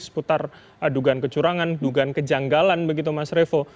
seputar adugaan kecurangan adugaan kejanggalan begitu mas revo